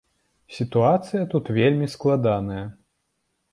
Сітуацыя тут вельмі складаная.